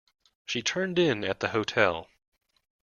She turned in at the hotel.